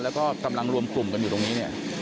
แล้วก็กำลังรวมกลุ่มกันอยู่ตรงนี้เนี่ย